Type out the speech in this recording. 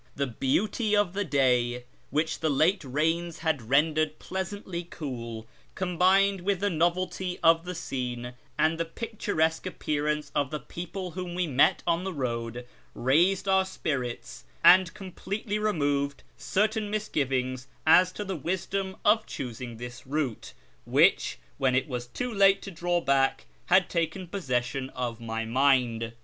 The beauty of the day, which the late rains had rendered pleasantly cool, combined with the novelty of the scene and the picturesque appearance of the people whom we met on the road, raised our spirits, and completely removed certain misgivings as to the wisdom of choosing this route which, when it was too late to draw back, had taken possession of my mind.